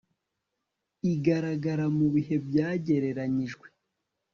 igaragara mu bihe byagereranyijwe